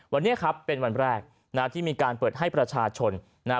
วันนี้ครับเป็นวันแรกที่มีการเปิดให้ประชาชน